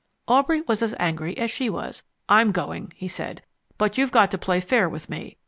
Aubrey was as angry as she was. "I'm going," he said. "But you've got to play fair with me.